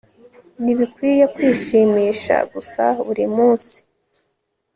Nibikwiye kwishimisha gusa buri munsui